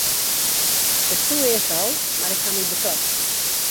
It soe earst al, mar ik haw my betocht.